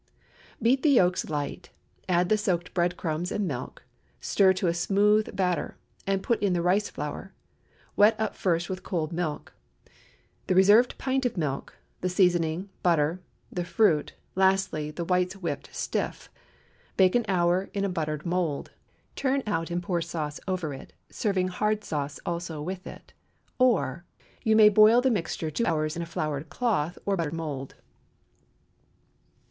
Beat the yolks light; add the soaked bread crumbs and milk; stir to a smooth batter, put in the rice flour, wet up first with cold milk; the reserved pint of milk, the seasoning, butter, the fruit, lastly the whites whipped stiff. Bake an hour in a buttered mould; turn out and pour sauce over it, serving hard sauce also with it. Or, You may boil the mixture two hours in a floured cloth or buttered mould.